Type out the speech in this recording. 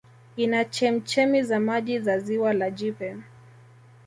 Ina chemchemi za maji za Ziwa la Jipe